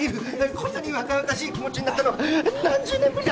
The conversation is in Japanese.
こんなに若々しい気持ちになったの何十年ぶりだ。